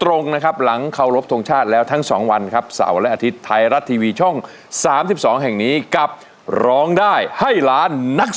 ร้องได้ให้ล้านนักสู้ชิงล้าย